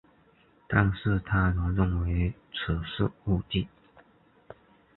但是他人认为此是误记。